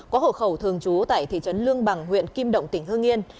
có hộ khẩu thường trú tại thị trấn lương bằng huyện kim động tỉnh hương yên